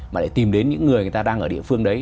mà lại tìm đến những người người ta đang ở địa phương đấy